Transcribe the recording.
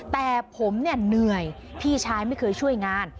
แต่ผมเนี่ยเหนื่อยพี่ชายไม่เคยช่วยงาน